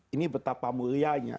ini betapa mulianya